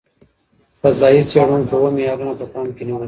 فضايي څېړونکو اوه معیارونه په پام کې نیولي.